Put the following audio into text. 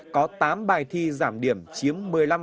có tám bài thi giảm điểm chiếm một mươi năm